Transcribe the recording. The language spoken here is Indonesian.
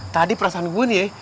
tadi perasaan gw nih